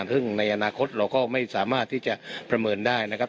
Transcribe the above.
ซึ่งในอนาคตเราก็ไม่สามารถที่จะประเมินได้นะครับ